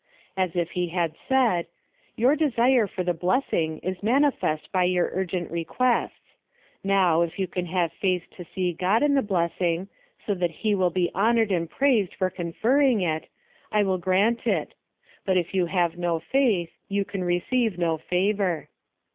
— As if he had said — Your desire for the blessing is manifest by your urgent requests ; now, if you can have faith to see God in the blessing, so that he will be honored and praised for conferring it, I will grant it ; but if you have no faith, you can receive no favor.